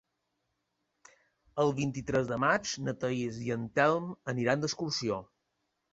El vint-i-tres de maig na Thaís i en Telm aniran d'excursió.